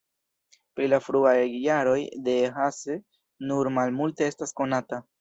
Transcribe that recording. Pri la fruaj jaroj de Hasse nur malmulte estas konata.